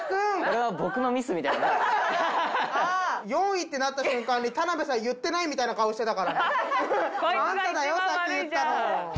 ４位ってなった瞬間、田辺さん言ってないみたいな顔してたから。